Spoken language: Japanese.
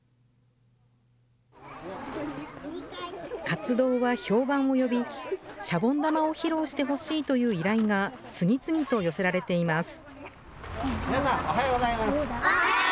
活動は評判を呼び、シャボン玉を披露してほしいという依頼が次々と寄せられています。